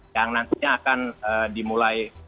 yang nantinya akan dimulai